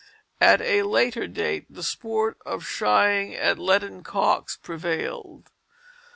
At a later date the sport of shying at leaden cocks prevailed.